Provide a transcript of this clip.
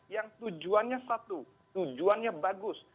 yang tujuannya satu tujuannya bagus